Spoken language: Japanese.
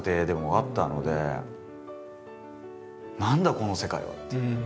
この世界はっていう。